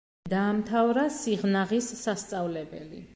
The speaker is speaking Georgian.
დაამთავრა სიღნაღის სასწავლებელი.